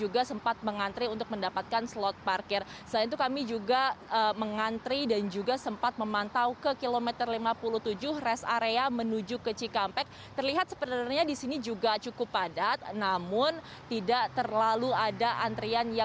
bagaimana situasinya sepanjang hari ini